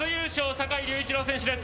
坂井隆一郎選手です。